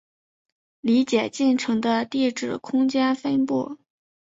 理解进程的地址空间分布